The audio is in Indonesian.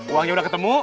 uangnya udah ketemu